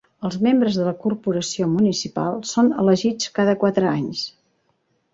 Els membres de la corporació municipal són elegits cada quatre anys.